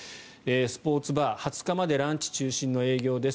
スポーツバー、２０日までランチ中心の営業です。